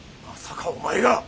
まさかお前が！